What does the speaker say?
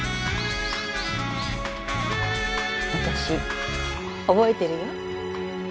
私覚えてるよ。